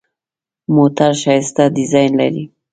موټر ښایسته ډیزاین لري.